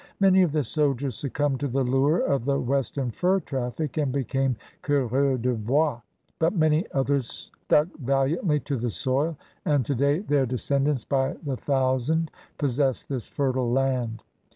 Many of the soldiers succumbed to the lure of the western fur traffic and became coureurs de bois. But many others stuck valiantly to the soil, and today their de scendants by the thousand possess this fertile land.